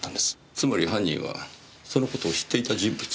つまり犯人はその事を知っていた人物。